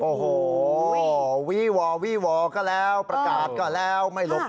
โอ้โหวีวอร์วีวอก็แล้วประกาศก็แล้ว